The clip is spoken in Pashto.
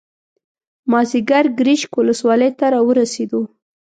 مازیګر ګرشک ولسوالۍ ته راورسېدو.